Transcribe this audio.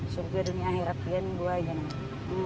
surga dunia herapian buah jan